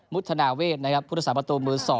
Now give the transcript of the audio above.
ุฒนาเวทนะครับพุทธศาสประตูมือ๒